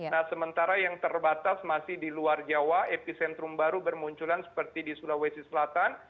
nah sementara yang terbatas masih di luar jawa epicentrum baru bermunculan seperti di sulawesi selatan